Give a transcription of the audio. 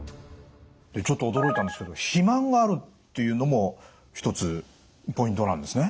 ちょっと驚いたんですけど肥満があるっていうのも１つポイントなんですね。